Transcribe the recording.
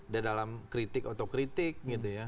dia dalam kritik otokritik gitu ya